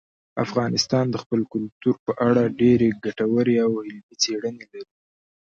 افغانستان د خپل کلتور په اړه ډېرې ګټورې او علمي څېړنې لري.